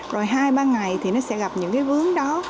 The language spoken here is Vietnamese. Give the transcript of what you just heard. rồi hai ba ngày thì nó sẽ gặp những cái vướng đó